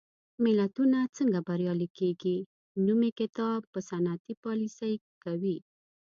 ملتونه څنګه بریالي کېږي؟ نومي کتاب په صنعتي پالېسۍ کوي.